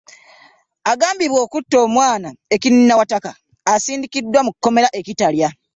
Agambibwa okutta omwana e Kinnawataka asindikiddwa mu kkomera e Kitalya.